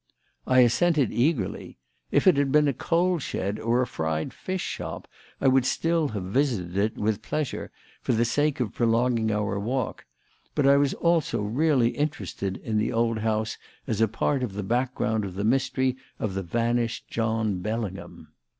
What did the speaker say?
I assented eagerly. If it had been a coal shed or a fried fish shop I would still have visited it with pleasure, for the sake of prolonging our walk; but I was also really interested in this old house as a part of the background of the mystery of the vanished John Bellingham.